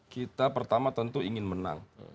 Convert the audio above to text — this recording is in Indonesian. kita pertama tentu ingin menang